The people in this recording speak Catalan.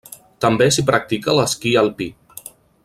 També s'hi practica l'esquí alpí.